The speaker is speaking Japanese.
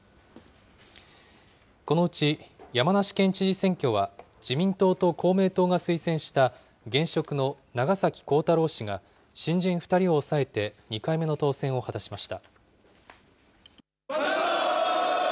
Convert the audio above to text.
このうち山梨県知事選挙は、自民党と公明党が推薦した、現職の長崎幸太郎氏が、新人２人を抑えて２回目の当選を果たしました。